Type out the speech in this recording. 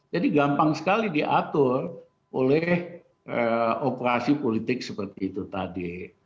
jadi gampang sekali diatur oleh operasi politik seperti itu tadi